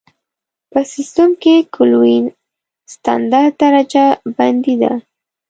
په سیسټم کې کلوین ستندرده درجه بندي ده.